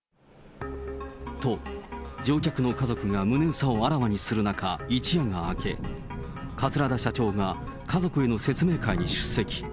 と、乗客の家族が無念さんをあらわにする中、一夜が明け、桂田社長が家族への説明会に出席。